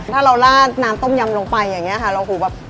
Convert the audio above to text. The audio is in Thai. ถ้าเราลาดน้ำต้มยำลงไปอย่างนี้ค่ะเราหูแบบ